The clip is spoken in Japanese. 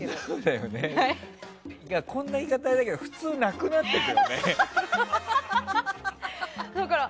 こんな言い方あれだけど普通なくなってくよね。